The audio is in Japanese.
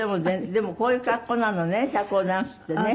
でもこういう格好なのね社交ダンスってね。